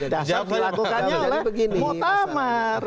dasar dilakukannya oleh mutamar